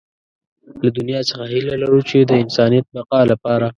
له دنيا څخه هيله لرو چې د انسانيت بقا لپاره.